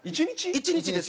１日です。